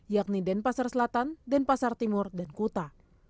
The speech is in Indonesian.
yakni denpasar selatan denpasar timur dan kuta